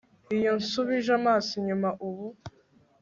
iyo nsubije amaso inyuma ubu